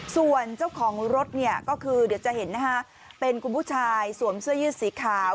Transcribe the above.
ส่วนเจ้าของรถเนี่ยก็คือเดี๋ยวจะเห็นนะคะเป็นคุณผู้ชายสวมเสื้อยืดสีขาว